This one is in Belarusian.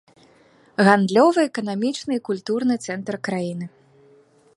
Гандлёвы, эканамічны і культурны цэнтр краіны.